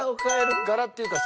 柄っていうか